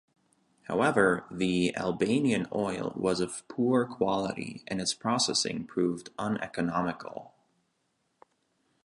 However the Albanian oil was of poor quality and its processing proved uneconomical.